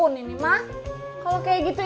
sem vive pengen selalu